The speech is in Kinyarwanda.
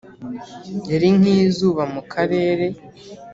yari nk'izuba mu karere...